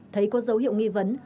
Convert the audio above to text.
thấy có dấu hiệu nghi vấn